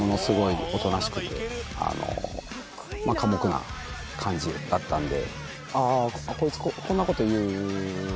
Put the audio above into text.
な感じだったんで。